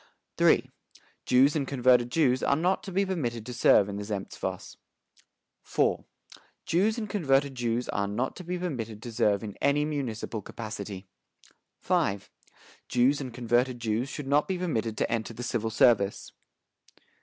"III. Jews and converted Jews are not to be permitted to serve in the Zemstvos. "IV. Jews and converted Jews are not to be permitted to serve in any municipal capacity. "V. Jews and converted Jews should not be permitted to enter the civil service.